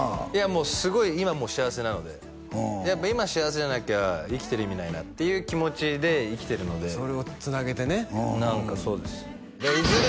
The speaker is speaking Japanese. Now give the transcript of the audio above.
もうすごい今も幸せなのでやっぱ今幸せじゃなきゃ生きてる意味ないなっていう気持ちで生きてるのでそれをつなげてね何かそうですいずれ